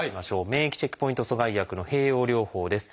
免疫チェックポイント阻害薬の併用療法です。